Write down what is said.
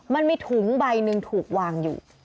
มันมีถุงใบหนึ่งถูกวางอยู่